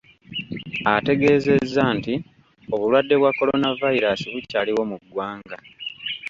Ategeezeza nti obulwadde bwa coronavirus bukyaliwo mu ggwanga.